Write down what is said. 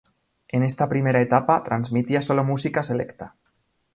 En esta "primera etapa" transmitía solo música selecta.